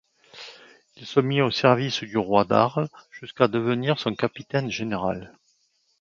Il se mit au service du roi d'Arles jusqu'à devenir son capitaine général.